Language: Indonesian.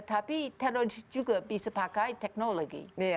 tapi teknologi juga bisa pakai teknologi